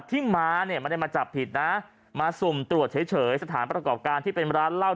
ทิ้งม้ามันได้มาจับผิดมาส่งตรวจเฉยสถานประกอบการที่เป็นร้านเล่า